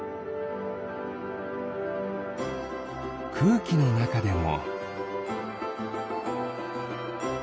くうきのなかでも。